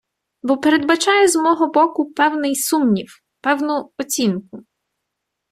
Бо передбачає з мого боку певний сумнів, певну оцінку.